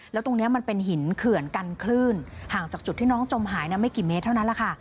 แล้วตรงนี้มันเป็นหินเขื่อนกันคลื่นห่างจากจุดที่น้องจมหายไม่กี่เมตรเท่านั้นแหละค่ะ